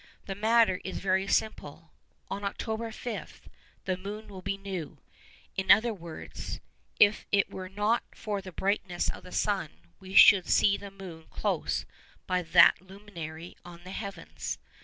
The matter is very simple. On October 5, the moon will be new—in other words, if it were not for the brightness of the sun, we should see the moon close by that luminary on the heavens.